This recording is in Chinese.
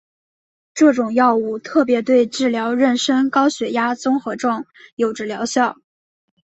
这种药物特别对治疗妊娠高血压综合征有着疗效。